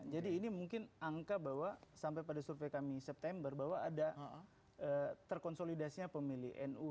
ini mungkin angka bahwa sampai pada survei kami september bahwa ada terkonsolidasinya pemilih nu